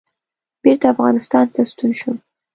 بېرته افغانستان ته ستون شوم.